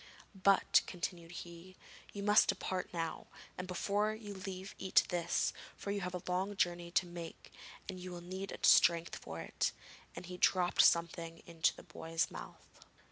'But,' continued he, 'you must depart now, and, before you leave eat this, for you have a long journey to make and you will need strength for it;' and he dropped something into the boy's mouth.